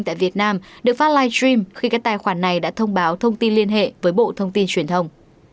tại việt nam được phát live stream khi các tài khoản này đã thông báo thông tin liên hệ với bộ thông tin truyền thông